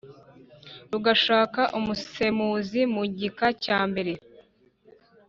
rugashaka umusemuzi mu gika cya mbere